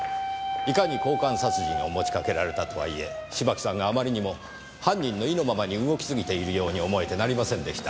いかに交換殺人を持ちかけられたとはいえ芝木さんがあまりにも犯人の意のままに動きすぎているように思えてなりませんでした。